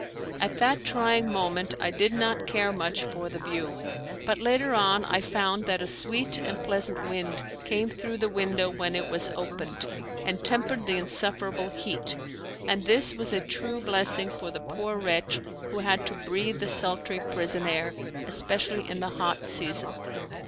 At that trying moment I did not care much for the view; but later on I found that a sweet and pleasant wind came through the window when it was opened, and tempered the insufferable heat; and this was a true blessing for the poor wretch who had to breathe the sultry prison air, especially in the hot season.